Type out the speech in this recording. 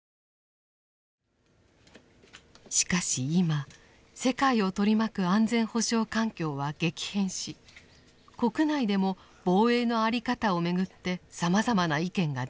しかし今世界を取り巻く安全保障環境は激変し国内でも防衛の在り方をめぐってさまざまな意見が出ています。